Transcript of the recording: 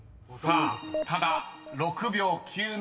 ［ただ６秒９７